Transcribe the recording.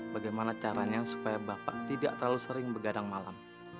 bagaimana caranya supaya bapak tidak terlalu sering begadang malam